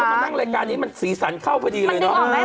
มานั่งรายการนี้มันสีสันเข้าพอดีเลยเนอะ